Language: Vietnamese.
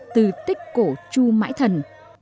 từ tích cổ chù mãi thần